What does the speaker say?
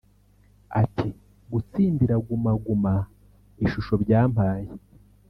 Ati “ Gutsindira Guma Guma ishusho byampaye